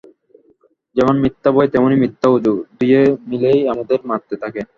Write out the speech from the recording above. যেমন মিথ্যা ভয় তেমনি মিথ্যা ওঝা– দুয়ে মিলেই আমাদের মারতে থাকে।